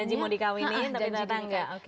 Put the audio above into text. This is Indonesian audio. janji mau dikawini tapi dendam nggak